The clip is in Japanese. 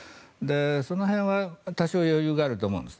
その辺は多少余裕があると思うんですね。